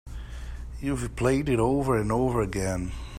You've played it over and over again.